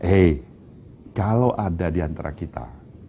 hei kalau ada di antara kita